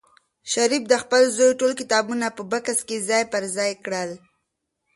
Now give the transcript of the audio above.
شریف د خپل زوی ټول کتابونه په بکس کې ځای پر ځای کړل.